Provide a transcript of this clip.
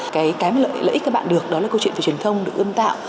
cái lợi ích các bạn được đó là câu chuyện về truyền thông được ưm tạo